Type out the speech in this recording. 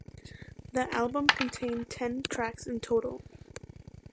The album contained ten tracks in total.